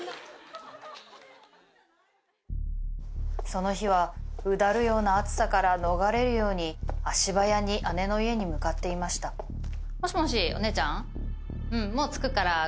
その日はうだるような暑さから逃れるように足早に姉の家に向かっていましたはい。